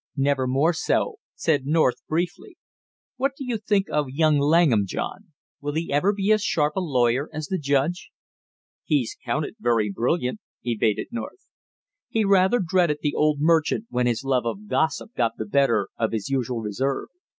"Never more so!" said North briefly. "What do you think of young Langham, John? Will he ever be as sharp a lawyer as the judge?" "He's counted very brilliant," evaded North. He rather dreaded the old merchant when his love of gossip got the better of his usual reserve.